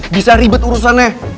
bisa ribet urusannya